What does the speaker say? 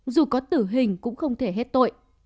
dù có tử hình cũng không thể hết tội